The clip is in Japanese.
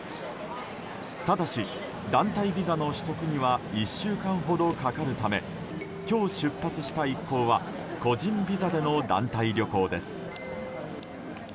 ただし、団体ビザの取得には１週間ほどかかるため今日、出発した一行は個人ビザでの団体旅行です。